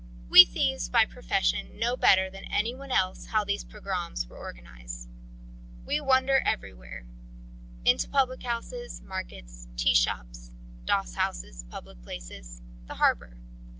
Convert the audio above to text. We thieves by profession know better than any one else how these pogroms were organised. We wander everywhere: into public houses, markets, tea shops, doss houses, public places, the harbour.